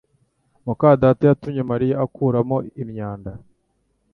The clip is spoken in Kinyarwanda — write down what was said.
muka data yatumye Mariya akuramo imyanda